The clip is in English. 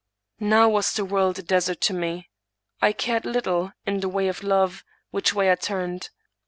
" Now was the world a desert to me. I cared little, in the way of love, which way I turned.